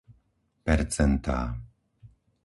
percentá